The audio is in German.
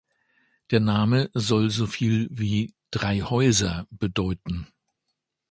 Der Name soll so viel wie „Drei Häuser“ bedeuten.